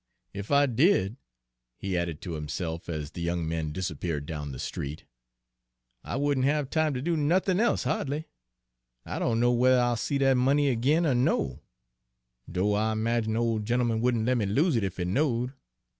Ef I did," he added to himself, as the young man disappeared down the street, "I wouldn' have time ter do nothin' e'se ha'dly. I don' know whether I'll ever see dat money agin er no, do' I 'magine de ole gent'eman wouldn' lemme lose it ef he knowed.